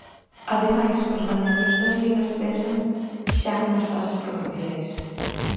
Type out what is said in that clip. Ademais, os gañadores das ligas pensan xa nas fases provinciais.